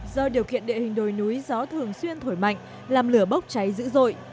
do điều kiện địa hình đồi núi gió thường xuyên thổi mạnh làm lửa bốc cháy dữ dội